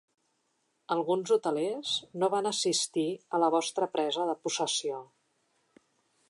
Alguns hotelers no van assistir a la vostra presa de possessió.